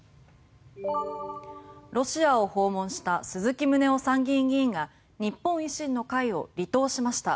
ロシアを訪問した鈴木宗男参議院議員が日本維新の会を離党しました。